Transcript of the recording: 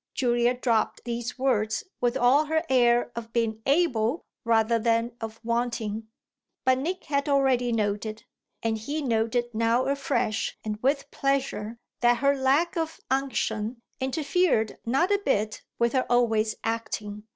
Julia dropped these words with all her air of being able rather than of wanting; but Nick had already noted, and he noted now afresh and with pleasure, that her lack of unction interfered not a bit with her always acting.